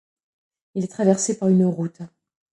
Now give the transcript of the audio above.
Il est traversé par une route.